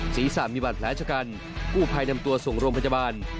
สีสามมีบัตรแผลชกันกู้ภัยนำตัวส่งโรงพจบาล